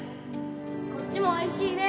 こっちも美味しいね。